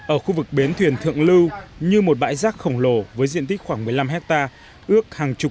ở khu vực bến thuyền thượng lưu như một bãi rác khổng lồ với diện tích khoảng một mươi năm hectare ước hàng chục